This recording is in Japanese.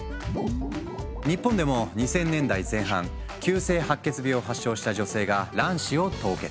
日本でも２０００年代前半急性白血病を発症した女性が卵子を凍結。